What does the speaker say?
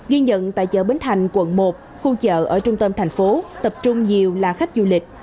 ghi nhận tại chợ bến thành quận một khu chợ ở trung tâm thành phố tập trung nhiều là khách du lịch